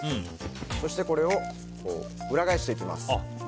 そして、これを裏返していきます。